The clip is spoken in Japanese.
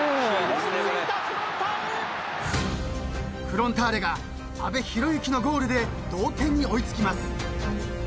［フロンターレが阿部浩之のゴールで同点に追い付きます］